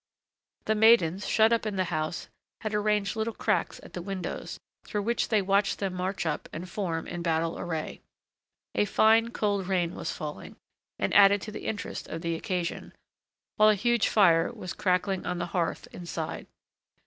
The maidens, shut up in the house, had arranged little cracks at the windows, through which they watched them march up and form in battle array. A fine, cold rain was falling, and added to the interest of the occasion, while a huge fire was crackling on the hearth inside.